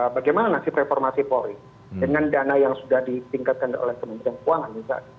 bagaimana nasib reformasi polri dengan dana yang sudah ditingkatkan oleh kementerian keuangan misalnya